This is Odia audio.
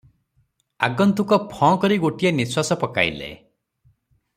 ଆଗନ୍ତୁକ ଫଁ କରି ଗୋଟିଏ ନିଶ୍ୱାସ ପକାଇଲେ ।